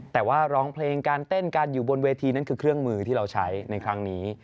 แต่ว่าร้องเพลงการเต้นกันอยู่บนเวทีนั้นคือเครื่องมือที่เราใช้ในครั้งนี้